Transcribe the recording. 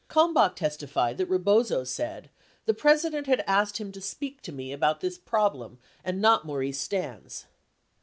Kalmbach testified that Rebozo said "the President had asked him to speak to me about this problem and not Maurice Stans."